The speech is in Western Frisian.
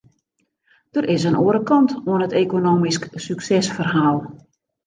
Der is in oare kant oan it ekonomysk suksesferhaal.